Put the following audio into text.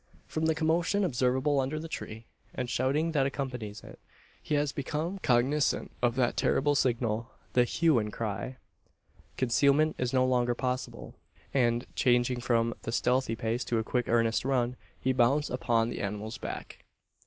From the commotion observable under the tree, and the shouting that accompanies it, he has become cognisant of that terrible signal the "hue and cry." Concealment is no longer possible; and, changing from the stealthy pace to a quick earnest run, he bounds upon the animal's back.